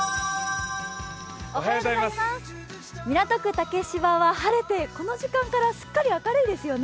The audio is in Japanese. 港区竹芝は晴れて、この時間からすっかり明るいですね。